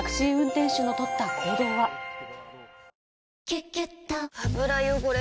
「キュキュット」油汚れ